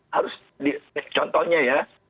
harus contohnya ya